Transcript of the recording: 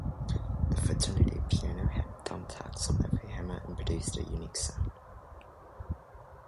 The fraternity piano had thumbtacks on every hammer and produced a unique sound.